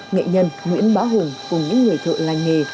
nghệ nhân nguyễn bá hùng cùng những người thợ lành nghề